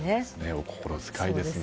お心遣いですね。